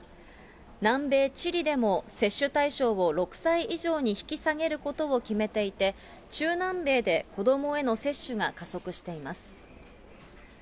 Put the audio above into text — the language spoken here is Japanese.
南米チリでも接種対象を６歳以上に引き下げることを決めていて、中南米で子どもへの接種が加速しています。